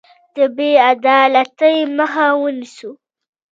د بې عدالتۍ مخه ونیسو.